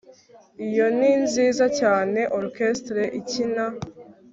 Iyo ni nziza cyane orchestre ikina